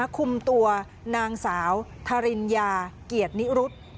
คุมตัวนางสาวทาริญญาเกียรตินิรุธ